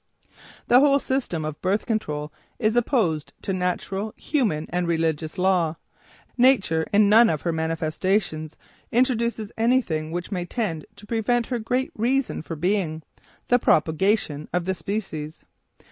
The whole system of "birth control" is opposed to natural, human and religious law. Nature, in none of her manifestations, introduces anything which may tend to prevent her great reason for being the propagation of the species.